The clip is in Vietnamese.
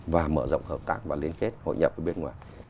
và mở rộng hợp tác và liên kết hội nhập ở bên ngoài